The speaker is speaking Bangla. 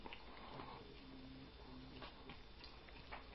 পরে অন্যান্য অঙ্গে যেমন ফুসফুস, লিভার, হাড়, লিম্ফ নোডে ছড়িয়ে যায়।